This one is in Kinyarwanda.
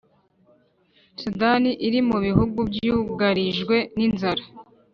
Sudani iri mu bihugu by’ ugarijwe n’ inzara